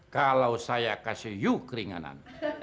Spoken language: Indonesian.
kalau saya kasih yuk keringanan